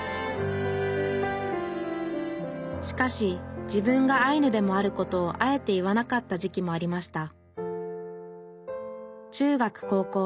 しかし自分がアイヌでもあることをあえて言わなかった時期もありました。